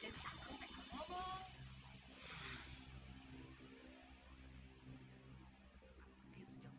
hai jadi aku tekan ngomong